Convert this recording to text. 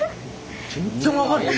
全然分かれへん。